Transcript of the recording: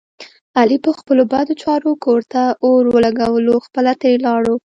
علي په خپلو بدو چارو کور ته اور ولږولو خپله ترې ولاړو.